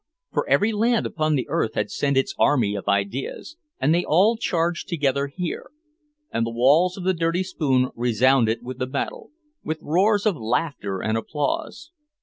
For every land upon the earth had sent its army of ideas, and they all charged together here, and the walls of the Dirty Spoon resounded with the battle with roars of laughter and applause.